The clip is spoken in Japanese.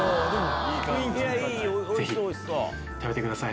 ぜひ食べてください。